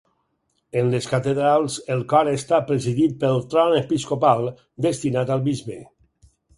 En les catedrals, el cor està presidit pel tron episcopal, destinat al bisbe.